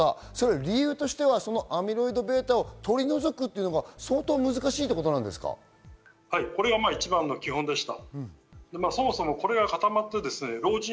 理由としてはアミロイドβを取り除くというのは相当難しいという一番の基本でした。